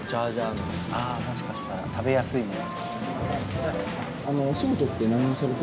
前田：ああ、もしかしたら食べやすいものを。